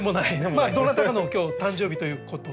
まあどなたかの今日誕生日ということで。